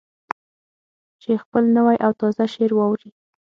چې خپل نوی او تازه شعر واوروي.